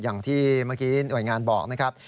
อย่างที่เมื่อกี้หน่วยงานบอกนะครับ